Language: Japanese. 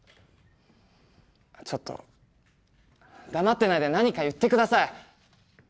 ちょっと黙ってないで何か言って下さい。